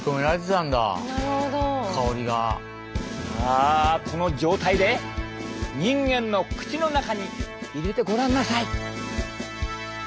さあこの状態で人間の口の中に入れてごらんなさい！